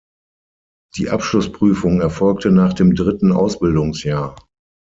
Die Abschlussprüfung erfolgte nach dem dritten Ausbildungsjahr.